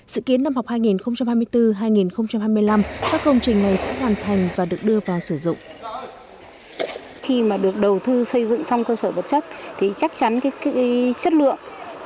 sự kiến năm học hai nghìn hai mươi bốn hai nghìn hai mươi năm các công trình này sẽ hoàn thành và được đưa vào sử dụng